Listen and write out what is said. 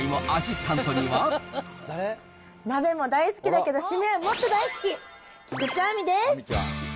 鍋も大好きだけど、締めはもっと大好き、菊地亜美です。